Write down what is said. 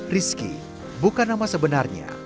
rizky bukan nama sebenarnya